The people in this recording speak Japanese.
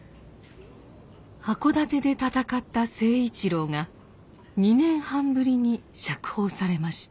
箱館で戦った成一郎が２年半ぶりに釈放されました。